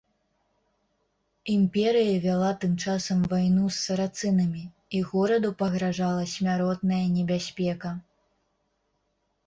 Імперыя вяла тым часам вайну з сарацынамі, і гораду пагражала смяротная небяспека.